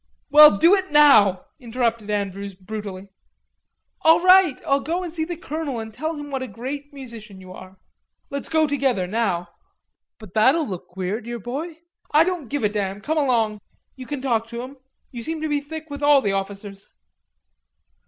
"Well, do it now," interrupted Andrews brutally. "All right, I'll go and see the colonel and tell him what a great musician you are." "Let's go together, now." "But that'll look queer, dear boy." "I don't give a damn, come along.... You can talk to him. You seem to be thick with all the officers."